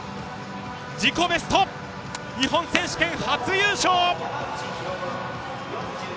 自己ベストで小川、日本選手権初優勝！